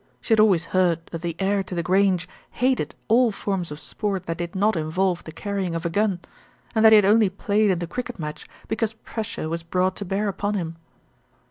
She had always heard that the heir to The Grange hated all forms of sport that did not involve the carrying of a gun, and that he had only played in the cricket match because pressure was brought to bear upon him.